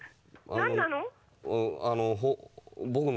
☎何なの？